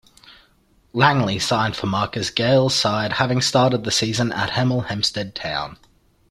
Langley signed for Marcus Gayle's side having started the season at Hemel Hempstead Town.